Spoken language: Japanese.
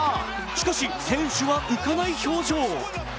しかし選手は浮かない表情。